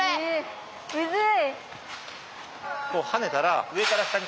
むずい！